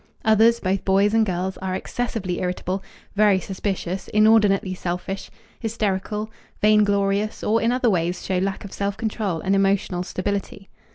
Others, both boys and girls, are excessively irritable, very suspicious, inordinately selfish, hysterical, vainglorious, or in other ways show lack of self control and emotional stability.